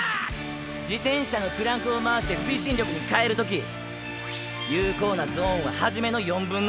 自転車のクランクを回して推進力に変える時有効なゾーンは始めの1/4！！